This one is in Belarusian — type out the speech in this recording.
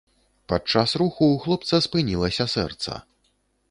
Падчас руху ў хлопца спынілася сэрца.